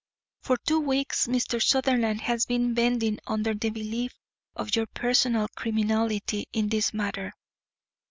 For two weeks Mr. Sutherland has been bending under the belief of your personal criminality in this matter.